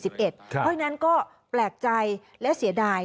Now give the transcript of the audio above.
เพราะฉะนั้นก็แปลกใจและเสียดาย